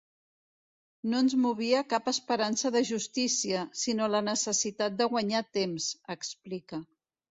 “No ens movia cap esperança de justícia, sinó la necessitat de guanyar temps”, explica.